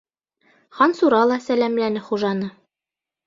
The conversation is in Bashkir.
Хансура ла сәләмләне хужаны.